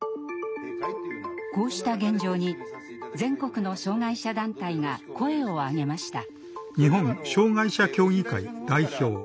こうした現状に、全国の障害者団体が声を上げました。